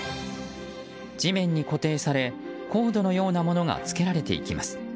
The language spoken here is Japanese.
地面に固定されコードのようなものがつけられていきます。